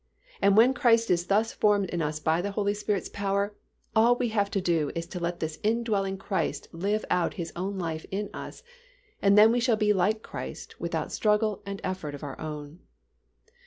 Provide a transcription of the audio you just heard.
And when Christ is thus formed in us by the Holy Spirit's power, all we have to do is to let this indwelling Christ live out His own life in us, and then we shall be like Christ without struggle and effort of our own.